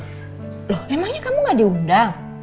loh emangnya kamu gak diundang